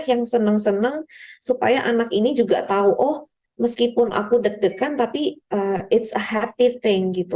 yang senang senang supaya anak ini juga tahu oh meskipun aku deg degan tapi it's a happy thing gitu